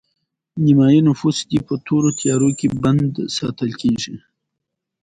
نیمایي نفوس دې په تورو تیارو کې بندي ساتل کیږي